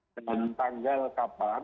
dengan tanggal kapan